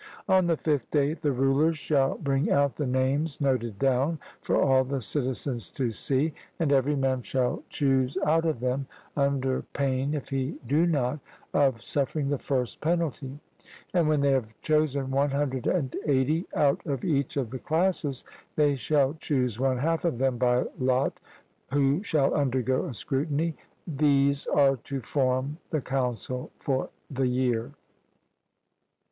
On the fifth day the rulers shall bring out the names noted down, for all the citizens to see, and every man shall choose out of them, under pain, if he do not, of suffering the first penalty; and when they have chosen 180 out of each of the classes, they shall choose one half of them by lot, who shall undergo a scrutiny: These are to form the council for the year.